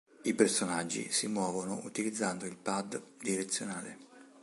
I personaggi si muovono utilizzando il pad direzionale.